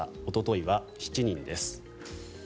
おとといは７人です。